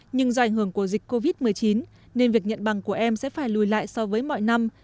nhưng do ảnh hưởng của dịch covid một mươi chín nên việc nhận bằng của em sẽ phải lùi lại so với mọi năm